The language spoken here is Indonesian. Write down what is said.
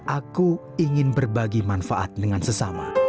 aku ingin berbagi manfaat dengan sesama